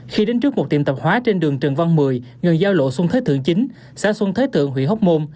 khi đến trước một tiệm tập hóa trên đường trần văn mười gần giao lộ xuân thế thượng chín xã xuân thế thượng huy hóc môn